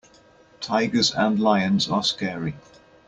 Tigers and lions are scary.